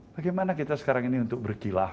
bagaimana kita sekarang ini untuk berkilah